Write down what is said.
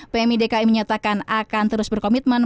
pmidki menyatakan akan terus berkomitmen